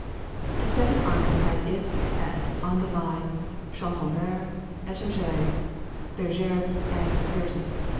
The Second army had its head on the line Champaubert, Etoges, Bergeres, and Vertus.